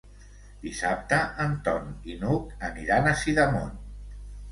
Dissabte en Ton i n'Hug aniran a Sidamon.